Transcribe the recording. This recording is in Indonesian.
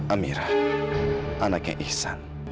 amira anaknya ihsan